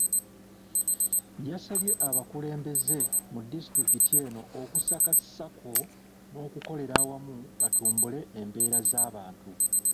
Yasabye abakulembeze mu disitulikiti eno okusaka ssaako n’okukolera awamu batumbule embeera z’abantu .